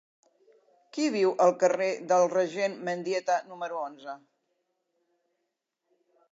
Qui viu al carrer del Regent Mendieta número onze?